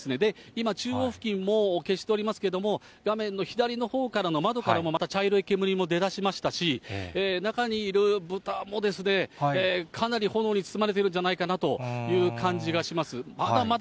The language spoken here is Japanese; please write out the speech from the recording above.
今、中央付近も消しておりますけれども、画面の左のほうからの窓からもまた、茶色い煙も出だしましたし、中にいる豚も、かなり炎に包まれているんじゃないかなという感じがします。